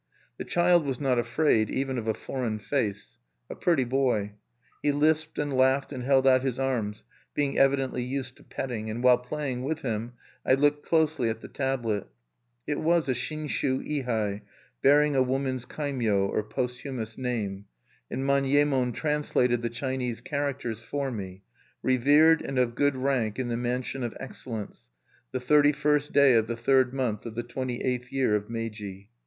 The child was not afraid, even of a foreign face, a pretty boy. He lisped and laughed and held out his arms, being evidently used to petting; and while playing with him I looked closely at the tablet. It was a Shinshu ihai, bearing a woman's kaimyo, or posthumous name; and Manyemon translated the Chinese characters for me: _Revered and of good rank in the Mansion of Excellence, the thirty first day of the third month of the twenty eighth year of Meiji_.